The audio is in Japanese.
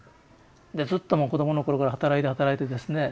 ずっともう子供の頃から働いて働いてですね